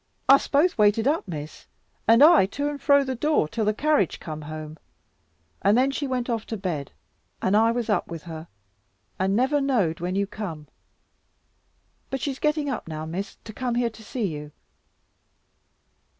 Us both waited up, Miss, and I to and fro the door, till the carriage come home; and then she went off to bed, and I was up with her, and never knowed when you come. But she's getting up now, Miss, to come here to see you."